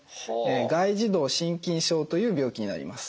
外耳道真菌症という病気になります。